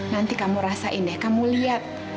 nanti kamu rasain deh kamu lihat